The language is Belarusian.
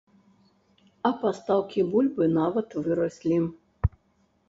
А пастаўкі бульбы нават выраслі.